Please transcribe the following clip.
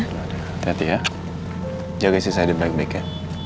hati hati ya jaga sisa diri baik baik ya